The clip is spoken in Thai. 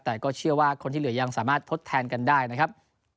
แต่ก็เชื่อว่าคนที่เหลือยังสามารถทดแทนกันได้นะครับ